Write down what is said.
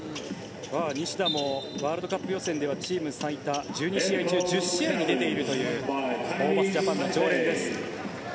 西田もワールドカップ予選ではチーム最多１２試合中１０試合に出ているというホーバスジャパンの常連です。